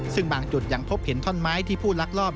ซึ่งบางจุดยังพบเห็นท่อนไม้ที่ผู้ลักลอบ